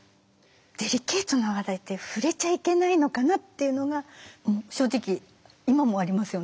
デリケートな話題って触れちゃいけないのかなっていうのが正直今もありますよね